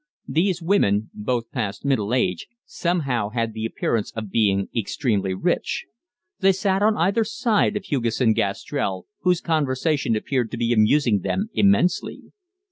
These women, both past middle age, somehow had the appearance of being extremely rich. They sat on either side of Hugesson Gastrell, whose conversation appeared to be amusing them immensely.